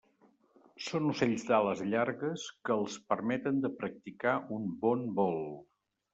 Són ocells d'ales llargues, que els permeten de practicar un bon vol.